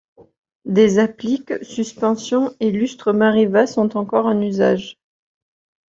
Des appliques, suspensions et lustres Mariva sont encore en usage.